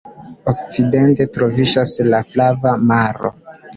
Okcidente troviĝas la Flava Maro.